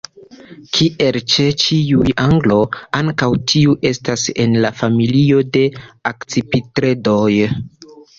Kiel ĉe ĉiuj agloj, ankaŭ tiu estas en la familio de Akcipitredoj.